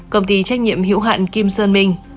công ty trách nhiệm hiểu hạn kim sơn minh